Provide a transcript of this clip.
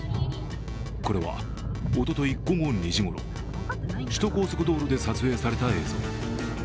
これはおととい午後２時ごろ首都高速道路で撮影された映像。